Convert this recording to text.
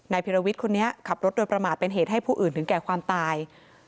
พิรวิทย์คนนี้ขับรถโดยประมาทเป็นเหตุให้ผู้อื่นถึงแก่ความตาย